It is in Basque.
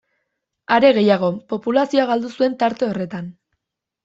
Are gehiago, populazioa galdu zuen tarte horretan.